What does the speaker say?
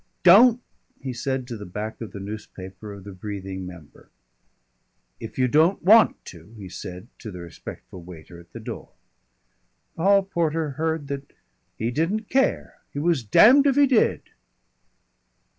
"Don't!" he said to the back of the newspaper of the breathing member. "If you don't want to," he said to the respectful waiter at the door. The hall porter heard that he didn't care he was damned if he did!